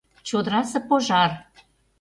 ЧОДЫРАСЕ ПОЖАР